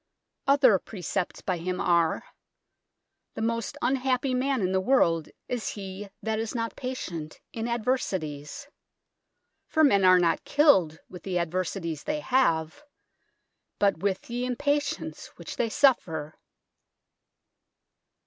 Other precepts by him are :" The most unhappy man in the world is he that is not pacient in adversities. For men are not killed with the adversities they have ; but with ye impacience which they suffer."